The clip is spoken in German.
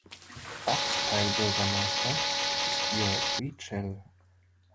Ortsteilbürgermeister ist Jörg Rietschel.